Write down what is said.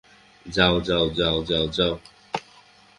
যাও, যাও, যাও, যাও, যাও!